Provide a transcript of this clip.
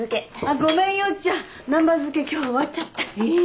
ごめんよっちゃん南蛮漬け今日終わっちゃった。え。